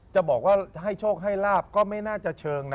จะบอกว่าให้โชคให้ลาบก็ไม่น่าจะเชิงนะ